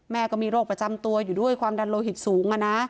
ก็มีโรคประจำตัวอยู่ด้วยความดันโลหิตสูง